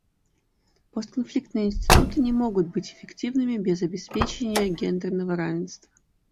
Постконфликтные институты не могут быть эффективными без обеспечения гендерного равенства.